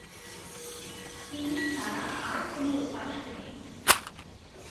তিনি ছাড়া আর কোন উপাস্য নেই।